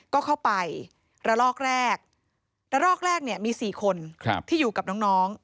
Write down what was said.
ก็เข้าไประลอกแรกระลอกแรกเนี่ยมี๔คนที่อยู่กับน้อง